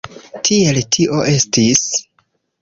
Tiel tio estis.